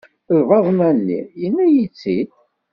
Lbaḍna-nni, yenna-iyi-tt-id.